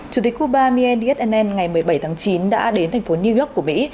chủ tịch cuba mien d s n n ngày một mươi bảy tháng chín đã đến thành phố new york của mỹ